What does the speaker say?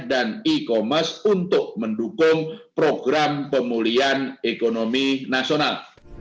dan e commerce untuk mendukung program pemulihan ekonomi nasional